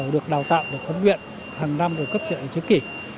được đào tạo được huấn luyện hàng năm được cấp trợ trước kỷ